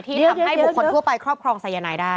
ที่ทำให้บุคคลทั่วไปครอบครองสายนายได้